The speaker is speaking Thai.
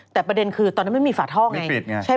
แต่ประเด็นคือตอนนั้นไม่มีฝาท่อไง